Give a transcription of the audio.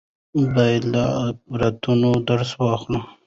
باید له عبرتونو درس واخلو.